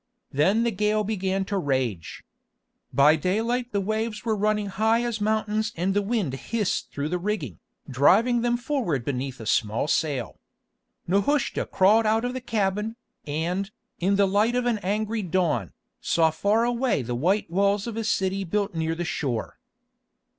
Then the gale began to rage. By daylight the waves were running high as mountains and the wind hissed through the rigging, driving them forward beneath a small sail. Nehushta crawled out of the cabin, and, in the light of an angry dawn, saw far away the white walls of a city built near the shore.